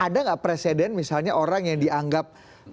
ada nggak presiden misalnya orang yang dianggap